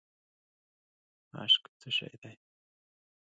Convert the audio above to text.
اشک څه شی دی؟